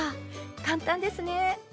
簡単ですね。